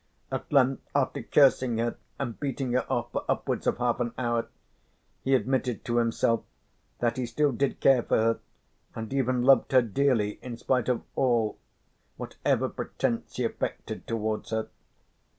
At length after cursing her and beating her off for upwards of half an hour, he admitted to himself that he still did care for her, and even loved her dearly in spite of all, whatever pretence he affected towards her.